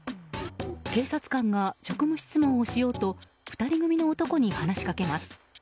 警察官が職務質問をしようと２人組の男に話しかけます。